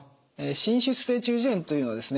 滲出性中耳炎というのはですね